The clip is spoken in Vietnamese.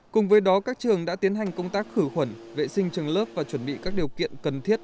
cùng với đó các trường đã tiến hành công tác khử khuẩn vệ sinh trường lớp và chuẩn bị các điều kiện cần thiết